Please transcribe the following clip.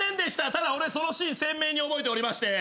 ただ俺そのシーン鮮明に覚えておりまして。